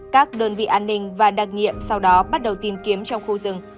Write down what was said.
các đơn vị an ninh và đặc nhiệm sau đó bắt đầu tìm kiếm trong khu rừng